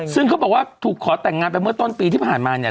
ซึ่งเขาบอกว่าถูกขอแต่งงานไปเมื่อต้นปีที่ผ่านมาเนี่ย